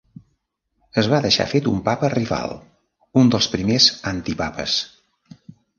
Es va deixar fet un papa rival, un dels primers antipapes.